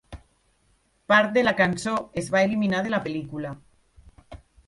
Part de la cançó es va eliminar de la pel·lícula.